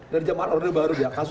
dari jaman orang baru